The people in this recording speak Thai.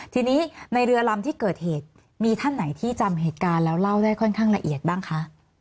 ทีนี้ในเรือลำที่เกิดเหตุมีท่านไหนที่จำเหตุการณ์แล้วเล่าได้ค่อนข้างละเอียดบ้างคะ